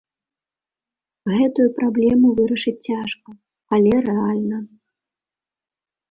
Гэтую праблему вырашыць цяжка, але рэальна.